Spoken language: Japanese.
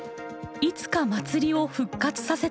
いつか祭りを復活させたい。